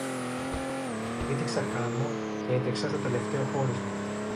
Πήδηξα χάμω κι έτρεξα στο τελευταίο χώρισμα